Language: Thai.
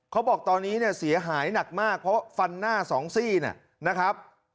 เขาบอกตอนนี้เนี่ยเสียหายหนักมากเพราะฟันหน้าสองซี่เนี่ยนะครับ